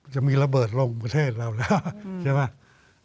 จะมีระเบิดลงประเทศเราแล้วใช่ไหม